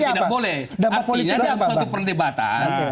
artinya dalam suatu perdebatan